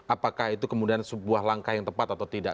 apakah itu kemudian sebuah langkah yang tepat atau tidak